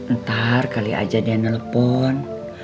ntar kali aja dia nelpon